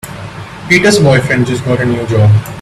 Peter's boyfriend just got a new job.